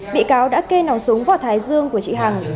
bị cáo đã kê nòng súng vào thái dương của chị hằng